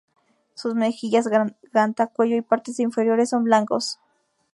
Sus mejillas, garganta, cuello y partes inferiores son blancos.